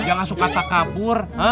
jangan suka takabur